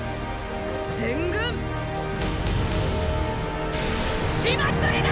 全軍ーー血祭りだ！！